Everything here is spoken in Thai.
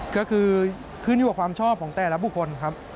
ก็คือขึ้นอยู่กับความชอบของแต่ละบุคคลครับ